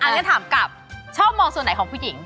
งั้นถามกลับชอบมองส่วนไหนของผู้หญิง